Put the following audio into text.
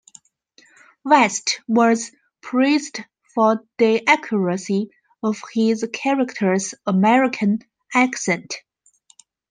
West was praised for the accuracy of his character's American accent.